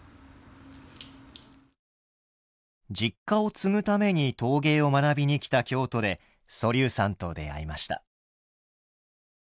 実家を継ぐために陶芸を学びに来た京都で蘇嶐さんと出会いました。